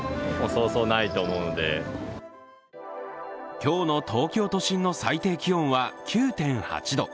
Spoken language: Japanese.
今日の東京都心の最低気温は９．８度。